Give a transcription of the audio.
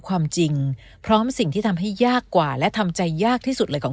ความจริงพร้อมสิ่งที่ทำให้ยากกว่าและทำใจยากที่สุดเลยของ